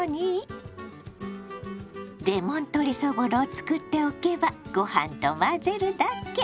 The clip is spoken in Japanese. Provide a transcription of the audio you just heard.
レモン鶏そぼろを作っておけばご飯と混ぜるだけ！